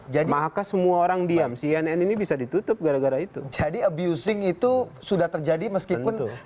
jadi maka semua orang diam cnn ini bisa ditutup gara gara itu jadi abusing itu sudah terjadi meskipun